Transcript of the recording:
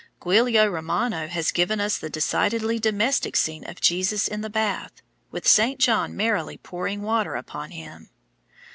Guilio Romano has given us the decidedly domestic scene of Jesus in the bath, with Saint John merrily pouring water upon him.